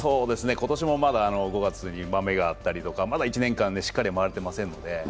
今年もまだ５月にまめがあったり、まだ１年間しっかり回れていませんので。